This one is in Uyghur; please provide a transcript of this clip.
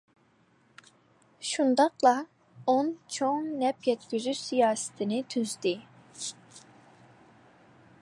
شۇنداقلا ئون چوڭ نەپ يەتكۈزۈش سىياسىتىنى تۈزدى.